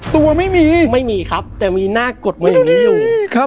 ตัวไม่มีไม่มีครับแต่มีหน้ากดไว้อยู่